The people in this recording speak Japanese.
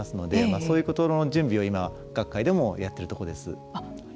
そういうことの準備を今学会でもやっているところです。